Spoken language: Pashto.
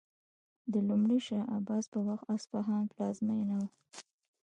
د لومړي شاه عباس په وخت اصفهان پلازمینه و.